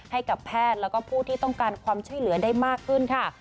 ให้กับแพทย์แล้วก็ผู้ที่ต้องการความช่วยเหลือได้มากขึ้นค่ะ